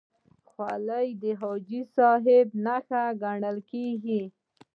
خولۍ د حاجي صاحب نښه ګڼل کېږي.